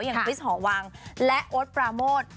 อย่างคริสฮอวังและโอ๊ดประโมด